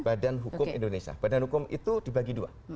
badan hukum indonesia badan hukum itu dibagi dua